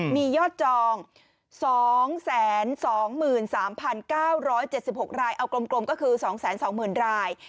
มียอดจอง๒๒๓๙๗๖รายเอากลมก็คือ๒๒๐๐๐ราย